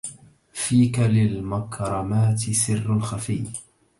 فيك للمكرمات سر خفي